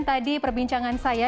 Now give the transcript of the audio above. tadi perbincangan saya